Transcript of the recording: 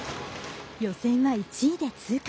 予選は１位で通過。